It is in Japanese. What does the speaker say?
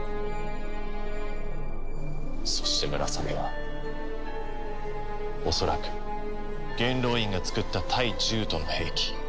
そしてムラサメは恐らく元老院が作った対獣人の兵器。